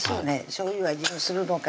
しょうゆ味にするのか